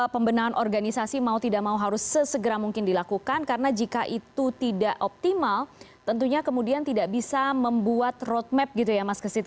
pembenahan organisasi mau tidak mau harus sesegera mungkin dilakukan karena jika itu tidak optimal tentunya kemudian tidak bisa membuat roadmap gitu ya mas kesit